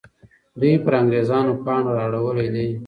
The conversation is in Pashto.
دوی پر انګریزانو پاڼ را اړولی دی.